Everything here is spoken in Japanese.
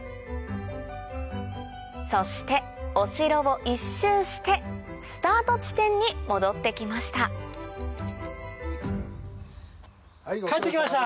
そしてお城を１周してスタート地点に戻ってきましたご苦労さまでした。